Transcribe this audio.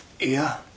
いや。